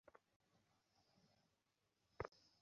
হাল ছেড়ে দিও না, উইল।